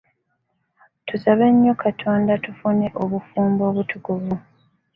Tusabe nnyo Katonda tufune obufumbo obutukuvu.